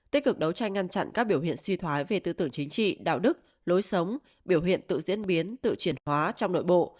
tích cực đấu tranh ngăn chặn các biểu hiện suy thoái về tư tưởng chính trị đạo đức lối sống biểu hiện tự diễn biến tự chuyển hóa trong nội bộ